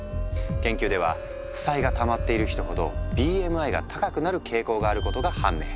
研究では負債がたまっている人ほどＢＭＩが高くなる傾向があることが判明。